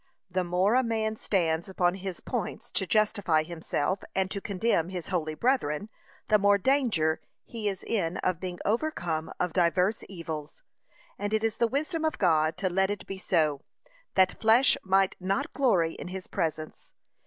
The more a man stands upon his points to justify himself and to condemn his holy brethren, the more danger he is in of being overcome of diverse evils. And it is the wisdom of God to let it be so, that flesh might not glory in his presence.